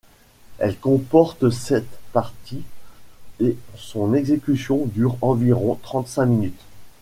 Elle comporte sept parties et son exécution dure environ trente-cinq minutes.